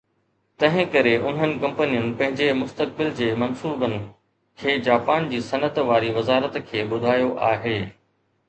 تنهن ڪري انهن ڪمپنين پنهنجي مستقبل جي منصوبن کي جاپان جي صنعت واري وزارت کي ٻڌايو آهي